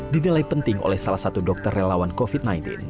dinilai penting oleh salah satu dokter relawan covid sembilan belas